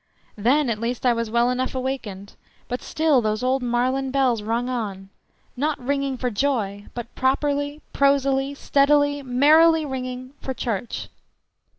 Then at least I was well enough wakened, but still those old Marlen bells rung on, not ringing for joy, but properly, prosily, steadily, merrily ringing "for church."